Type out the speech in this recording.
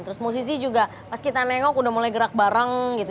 terus musisi juga pas kita nengok udah mulai gerak bareng gitu